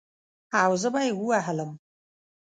او زه به يې ووهلم.